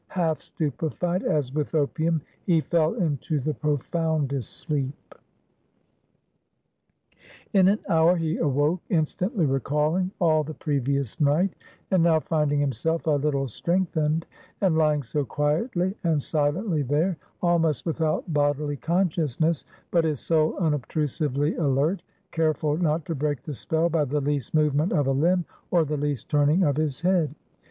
Half stupefied, as with opium, he fell into the profoundest sleep. In an hour he awoke, instantly recalling all the previous night; and now finding himself a little strengthened, and lying so quietly and silently there, almost without bodily consciousness, but his soul unobtrusively alert; careful not to break the spell by the least movement of a limb, or the least turning of his head.